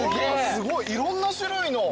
すごいいろんな種類の。